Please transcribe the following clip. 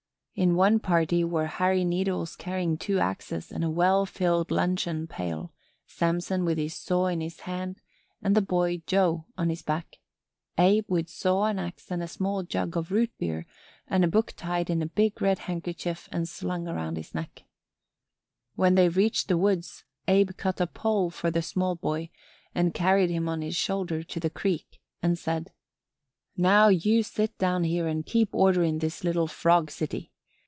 In one party were Harry Needles carrying two axes and a well filled luncheon pail; Samson with a saw in his hand and the boy Joe on his back; Abe with saw and ax and a small jug of root beer and a book tied in a big red handkerchief and slung around his neck. When they reached the woods Abe cut a pole for the small boy and carried him on his shoulder to the creek and said: "Now you sit down here and keep order in this little frog city.